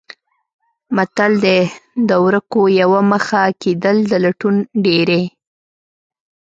متل دی: د ورکو یوه مخه کېدل د لټون ډېرې.